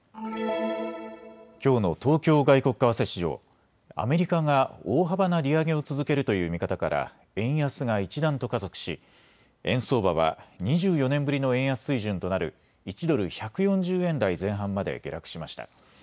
きょうの東京外国為替市場、アメリカが大幅な利上げを続けるという見方から円安が一段と加速し円相場は２４年ぶりの円安水準となる１ドル１４０円台前半まで下落しました。